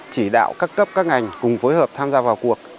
chỉ đạo các cấp các ngành cùng phối hợp tham gia vào cuộc